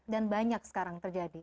dan banyak sekarang terjadi